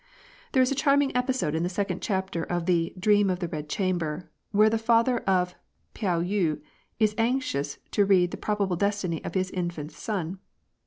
There is a charming episode in the second chapter of the " Dream of the Eed Chamber," where the father of Pao yti is anxious to read the probable destiny of his infant son.